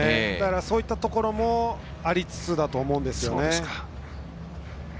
そういったところもありつつだと思うんですよね。